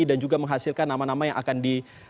dan juga menghasilkan nama nama yang akan di